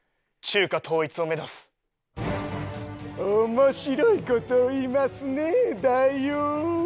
面白い事を言いますね大王。